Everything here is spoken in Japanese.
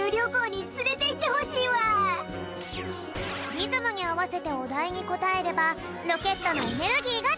リズムにあわせておだいにこたえればロケットのエネルギーがたまるぴょん！